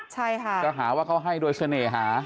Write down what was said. ใช่ค่ะจะหาว่าเขาให้โดยเสน่หา